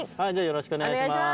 よろしくお願いします。